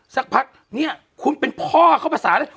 สักพักนี้คุณเป็นพ่อเขาปศาจแหละ